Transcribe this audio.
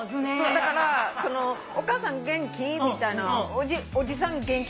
だから「お母さん元気？」みたいな「おじさん元気？」